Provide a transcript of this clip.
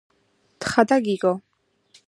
თხა და გიგო.